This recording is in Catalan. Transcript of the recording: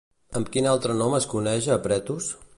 Amb quin altre nom es coneix a Pretos?